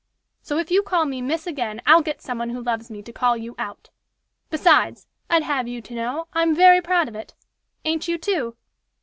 So if you call me miss again, I'll get some one who loves me to call you 'out!' Besides, I'd have you to know, I'm very proud of it. Ain't you, too?